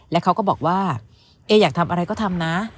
แล้วเขาก็บอกว่าเอ๊อยากทำอะไรก็ทำนะ